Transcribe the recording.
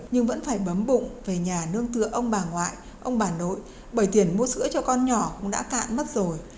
nhưng vẫn phải bấm bụng về nhà nương tựa ông bà ngoại ông bà nội bởi tiền mua sữa cho con nhỏ cũng đã cạn mất rồi